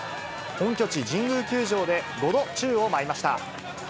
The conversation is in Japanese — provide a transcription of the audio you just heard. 本拠地、神宮球場で５度宙を舞いました。